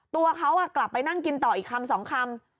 ตัวเขากลับไปนั่งกินต่ออีกคำสองคำ